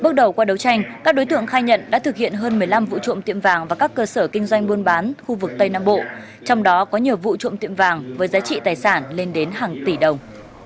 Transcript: trong đó có nhiều vụ trộm tiệm vàng với giá trị tài sản lên đến hàng tỷ đồng